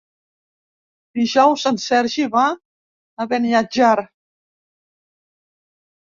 Dijous en Sergi va a Beniatjar.